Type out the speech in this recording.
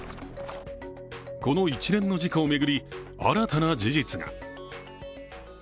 この一連の事故を巡り新たな事実が。